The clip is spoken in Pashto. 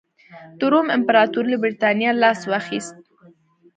د روم امپراتورۍ له برېټانیا لاس واخیست.